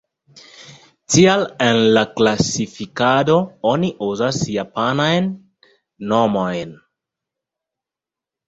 Tial en la klasifikado oni uzas japanajn nomojn.